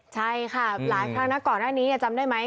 ใช่ค่ะหลายครั้งนะก่อนหน้านี้จำได้ไหม